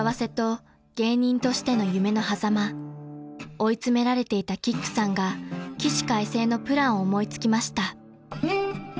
［追い詰められていたキックさんが起死回生のプランを思いつきました］